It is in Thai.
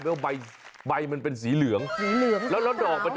เดี๋ยวรอดูแล้วกัน